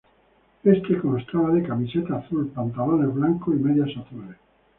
Éste constaba de camiseta azul, pantalones blancos y medias azules.